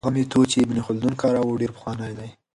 هغه میتود چې ابن خلدون کاروه ډېر پخوانی دی.